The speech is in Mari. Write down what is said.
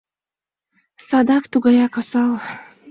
— Садак тугаяк осал.